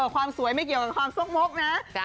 ความสวยไม่เกี่ยวกับความซกมกนะ